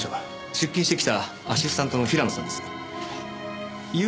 出勤してきたアシスタントの平野さんです。